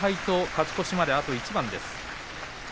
勝ち越しまであと一番です。